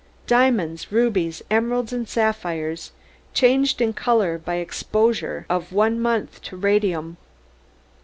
Diamonds, Rubies, Emeralds and Sapphires Changed in Color by Exposure of One Month to Radium.